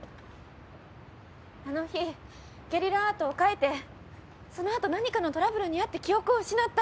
あの日ゲリラアートを描いてそのあと何かのトラブルに遭って記憶を失った。